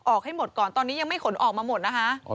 ให้หมดก่อนตอนนี้ยังไม่ขนออกมาหมดนะคะ